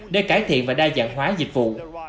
để cải thiện và đa dạng hóa dịch vụ